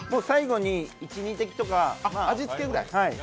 最後に、１２滴とか味付けぐらい。